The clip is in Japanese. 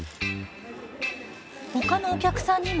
ほかのお客さんにも。